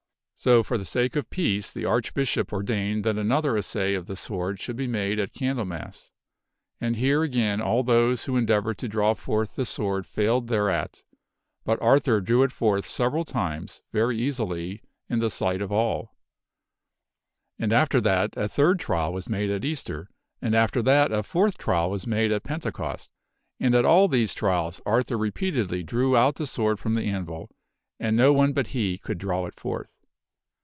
So, for the sake of peace, the Archbishop ordained that another assay of the sword should be made at Candlemas; ,., and here again all those who endeavored to draw forth the Arthur maketh & sundry other sword failed thereat, but Arthur drew it forth several times, "wTd and* veT T easil j> in the si g h t of all. And after that a third trial feeds at all was made at Easter and after that a fourth trial was made at Pentecost. And at all these trials Arthur repeatedly drew out the sword from the anvil, and no one but he could draw it forth.